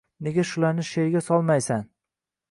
Nega shularni she’rga solmaysan?